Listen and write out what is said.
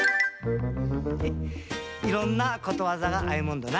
いろんなことわざがあいもんだな。